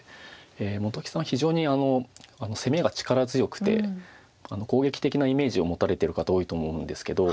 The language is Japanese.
本木さんは非常に攻めが力強くて攻撃的なイメージを持たれてる方多いと思うんですけど。